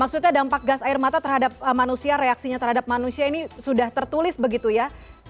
maksudnya dampak gas air mata ini terhadap manusia ini tertulis begitu ya